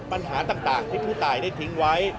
ปัญหาต่างที่ผู้ตายได้ทิ้งไว้